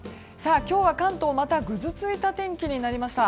今日は関東またぐずついたお天気になりました。